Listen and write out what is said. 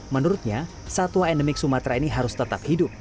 menurutnya satwa endemik sumatera ini harus tetap hidup